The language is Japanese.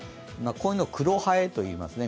こういうのを黒南風といいますね。